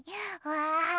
わあ！